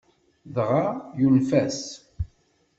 Dɣa, yunef-as.